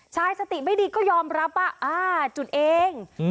ใช่สติไม่ดีก็ยอมรับอ่ะอ่าจุดเองอืม